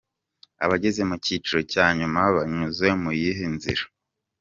Abageze mu cyiciro cya nyuma banyuze mu yihe nzira?.